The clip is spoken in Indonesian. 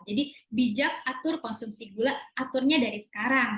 jadi bijak atur konsumsi gula aturnya dari sekarang